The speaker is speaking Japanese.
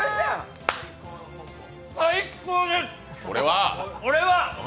最高です！